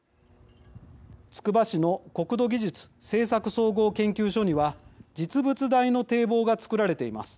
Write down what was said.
つくば市の国土技術政策総合研究所には実物大の堤防が作られています。